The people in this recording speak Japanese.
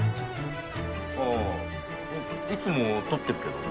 ああいつも撮ってるけど。